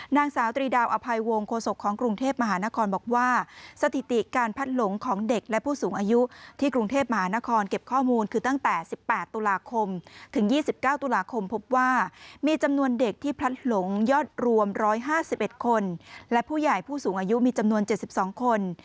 นางสาวตรีดาวอภัยวงโฆษกของกรุงเทพมหานครบอกว่าสถิติการพัดหลงของเด็กและผู้สูงอายุที่กรุงเทพมหานครเก็บข้อมูลคือตั้งแต่๑๘ตุลาคมถึง๒๙ตุลาคมพบว่ามีจำนวนเด็กที่พลัดหลงยอดรวม๑๕๑คนและผู้ใหญ่ผู้สูงอายุมีจำนวน๗๒คน